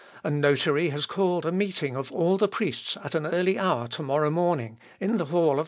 A notary has called a meeting of all the priests at an early hour to morrow morning, in the hall of the Chapter."